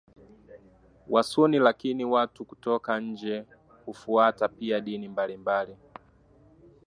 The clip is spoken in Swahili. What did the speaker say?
Wasuni lakini watu kutoka nje hufuata pia dini mbalimbali